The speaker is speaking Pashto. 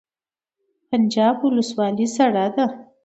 پنجاب ولسوالۍ سړه ده؟